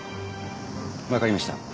わかりました。